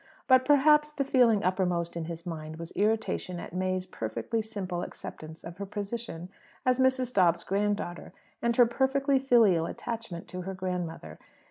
But, perhaps, the feeling uppermost in his mind was irritation at May's perfectly simple acceptance of her position as Mrs. Dobbs's grand daughter, and her perfectly filial attachment to her grandmother.